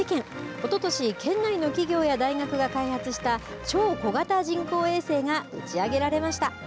おととし県内の企業や大学が開発した超小型人工衛星が打ち上げられました。